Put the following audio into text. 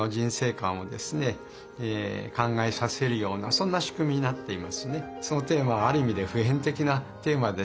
そんな仕組みになっていますね。